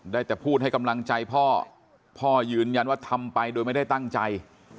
ได้แต่พูดให้กำลังใจพ่อพ่อยืนยันว่าทำไปโดยไม่ได้ตั้งใจ